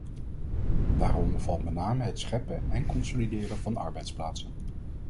Daaronder valt met name het scheppen en consolideren van arbeidsplaatsen.